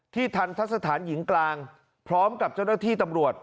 ทันทะสถานหญิงกลางพร้อมกับเจ้าหน้าที่ตำรวจ